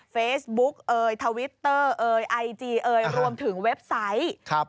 เฟสบุ๊กเทอร์ไอจีรวมถึงเว็บไซต์